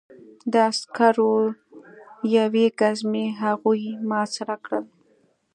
د عسکرو یوې ګزمې هغوی محاصره کړل